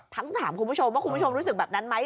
ถามคุณผู้ชมว่าคุณผู้ชมรู้สึกแบบนั้นไหม